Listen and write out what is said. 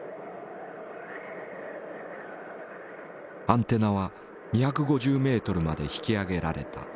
アンテナは２５０ｍまで引き上げられた。